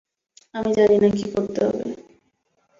আমি জানি না, কী করতে হবে।